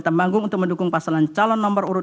dan banggung untuk mendukung pasangan calon nomor dua